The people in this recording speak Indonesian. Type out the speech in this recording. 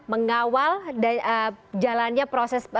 mengawal jalannya proses